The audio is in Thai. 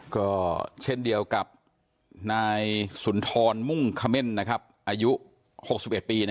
ก็เช่นเดียวกับนายสุนทรมุ่งเขม่นอายุ๖๑ปี